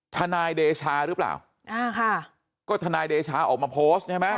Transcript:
ทนายเดชาหรือเปล่าอ่าค่ะก็ทนายเดชาออกมาโพสต์ใช่ไหม